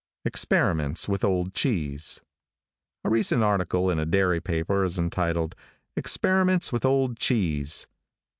EXPERIMENTS WITH OLD CHEESE. |A RECENT article in a dairy paper is entitled, "Experiments with Old Cheese."